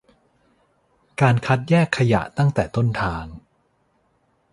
การคัดแยกขยะตั้งแต่ต้นทาง